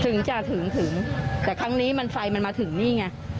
ถึงจะถึงถึงแต่ครั้งนี้มันไฟมันมาถึงนี่ไง